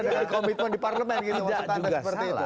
dengan komitmen di parlement